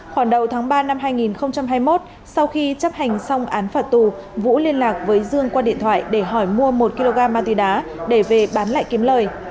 khoảng đầu tháng ba năm hai nghìn hai mươi một sau khi chấp hành xong án phạt tù vũ liên lạc với dương qua điện thoại để hỏi mua một kg ma túy đá để về bán lại kiếm lời